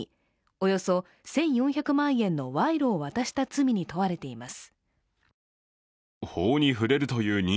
およそ１４００万円の賄賂を渡した罪に問われています。